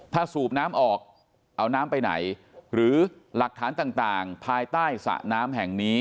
ถ้าสูบน้ำออกเอาน้ำไปไหนหรือหลักฐานต่างภายใต้สระน้ำแห่งนี้